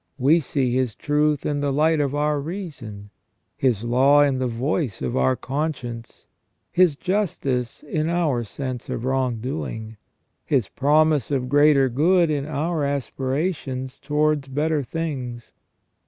We see His truth in the light of our reason ; His law in the voice of our conscience ; His justice in our sense of wrongdoing ; His promise of greater good in our aspirations towards better things.